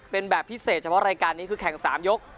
เป็นแบบพิเศษเฉพาะรายการนี้คือแข่ง๓ยก